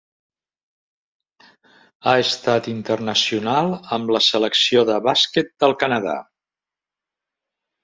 Ha estat internacional amb la selecció de bàsquet del Canadà.